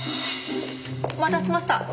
お待たせしました。